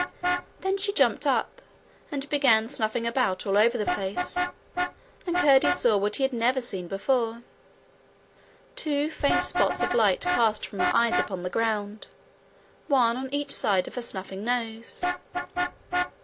Then she jumped up, and began snuffing about all over the place; and Curdie saw what he had never seen before two faint spots of light cast from her eyes upon the ground, one on each side of her snuffing nose.